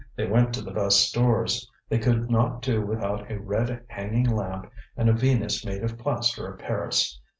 They went to the best stores. They could not do without a red hanging lamp and a Venus made of plaster of Paris.